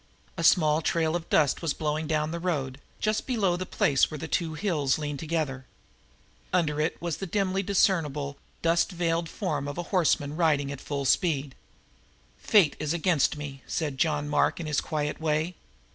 A small trail of dust was blowing down the road, just below the place where the two hills leaned together. Under it was the dimly discernible, dust veiled form of a horseman riding at full speed. "Fate is against me," said John Mark in his quiet way.